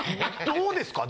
どうですか？